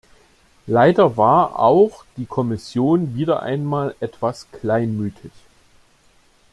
Leider war auch die Kommission wieder einmal etwas kleinmütig.